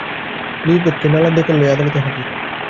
দুই পক্ষে নালার দখল লইয়া আদালতে হাজির।